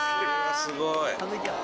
すごい。